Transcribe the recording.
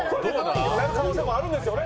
なる可能性もあるんですよね？